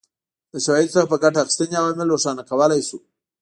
له شواهدو څخه په ګټې اخیستنې عوامل روښانه کولای شو.